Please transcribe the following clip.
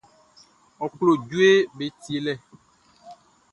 Ɔ klo jueʼm be tielɛ.